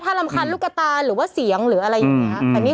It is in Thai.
ถ้ารำคาญลูกตาหรือว่าเสียงหรืออะไรอย่างนี้